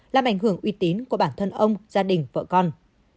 làm ảnh hưởng uy tín của bản thân ông gia đình vợ con